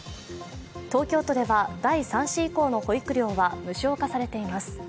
東京都では第３子以降の保育料は無償化されています。